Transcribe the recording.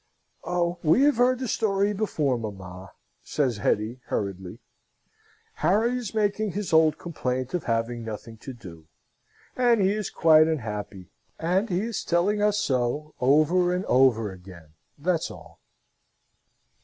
"Oh, we have heard the story before, mamma!" says Hetty, hurriedly. "Harry is making his old complaint of having nothing to do. And he is quite unhappy; and he is telling us so over and over again, that's all."